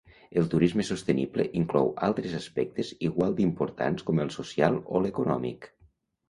El turisme sostenible inclou altres aspectes igual d'importants com el social o l'econòmic.